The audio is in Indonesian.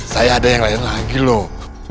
saya ada yang lain lagi loh